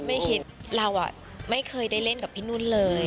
ไม่คิดเราไม่เคยได้เล่นกับพี่นุ่นเลย